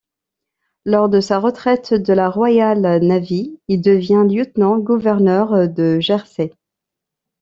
Lors de sa retraite de la Royal Navy, il devient lieutenant-gouverneur de Jersey.